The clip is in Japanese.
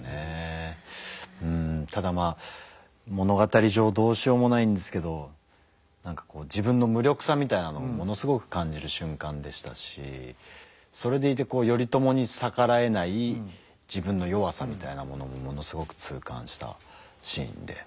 ただまあ物語上どうしようもないんですけど何かこう自分の無力さみたいなのをものすごく感じる瞬間でしたしそれでいて頼朝に逆らえない自分の弱さみたいなものもものすごく痛感したシーンで。